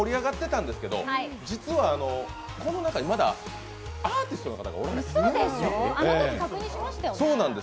実はこの中にまだアーティスの方がおられるんです。